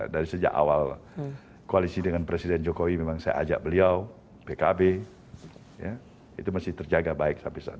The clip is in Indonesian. dari sejak awal koalisi dengan presiden jokowi memang saya ajak beliau pkb itu masih terjaga baik sampai saat ini